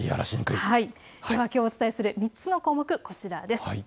ではきょうお伝えする３つの項目こちらです。